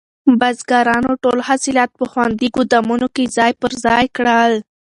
بزګرانو ټول حاصلات په خوندي ګودامونو کې ځای پر ځای کړل.